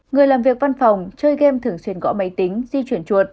người làm việc văn phòng chơi game thường xuyên gõ máy tính di chuyển chuột